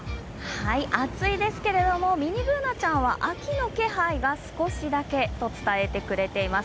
暑いですけれども、ミニＢｏｏｎａちゃんは秋の気配が少しだけと伝えてくれています。